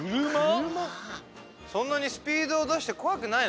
そんなにスピードだしてこわくないの？